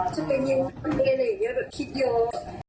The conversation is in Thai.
จะเป็นยังไงคิดอยู่